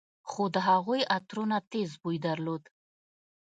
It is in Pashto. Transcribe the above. خو د هغوى عطرونو تېز بوى درلود.